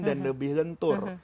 dan lebih lentur